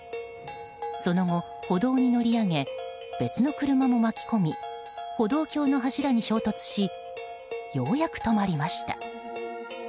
その後、歩道に乗り上げ別の車も巻き込み歩道橋の柱に衝突しようやく止まりました。